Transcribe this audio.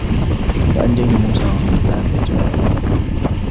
وأنجينا موسى ومن معه أجمعين